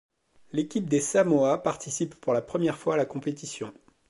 L'équipe des Samoa participe pour la première fois à la compétition.